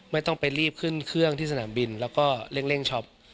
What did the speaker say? ไม่ต้องไปรีบขึ้นเครื่องที่สนามบินแล้วก็เร่งช็อป